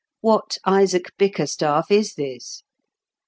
What Isaac BickerstaflF is this